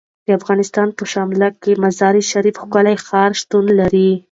د افغانستان په شمال کې د مزارشریف ښکلی ښار شتون لري.